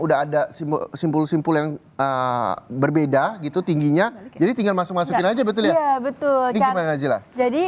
udah ada simpul simpul yang berbeda gitu tingginya jadi tinggal masuk masukin aja betul ya betul ini gimana nazila jadi